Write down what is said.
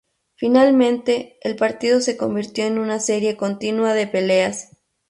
Finalmente, el partido se convirtió en una serie continua de peleas.